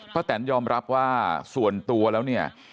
แตนยอมรับว่าส่วนตัวแล้วเนี่ย